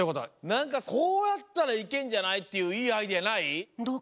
なんかこうやったらいけんじゃないっていういいアイデアない？どうかな？